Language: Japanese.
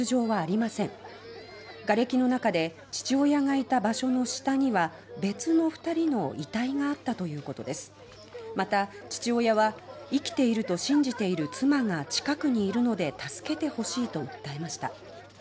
また、父親は生きていると信じている妻が近くにいるので助けてほしいと訴えました。